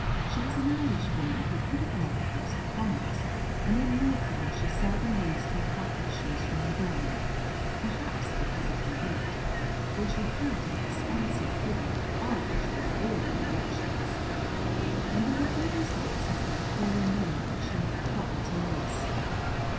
She was an Irish, woman who could have led the House of Commons, and in walking she seldom raised her carpet shoes from the ground, perhaps because of her weight, for she had an expansive figure that bulged in all directions, and there were always bits of her here and there that she had forgotten to lace.